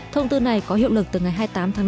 thông tư này có hiệu lực từ ngày hai mươi tám tháng năm